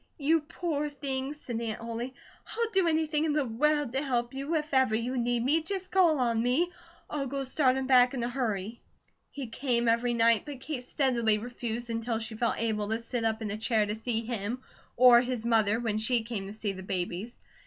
"You poor thing!" said Aunt Ollie, "I'll do anything in the world to help you. If ever you need me, just call on me. I'll go start him back in a hurry." He came every night, but Kate steadily refused, until she felt able to sit up in a chair, to see him, or his mother when she came to see the babies.